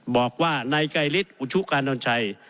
บอกว่านายไกรฤทธิอุชุกานนชัย